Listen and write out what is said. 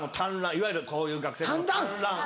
いわゆるこういう学生服の短ラン。